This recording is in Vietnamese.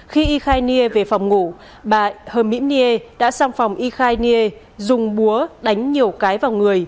khi y khai nghê về phòng ngủ bà hờ mỹ nghê đã sang phòng y khai nghê dùng búa đánh nhiều cái vào người